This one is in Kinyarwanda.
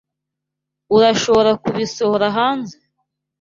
Urashobora kubisohora hanze?